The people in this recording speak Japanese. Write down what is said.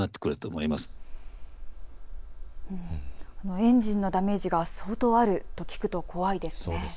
エンジンのダメージが相当あると聞くと怖いですね。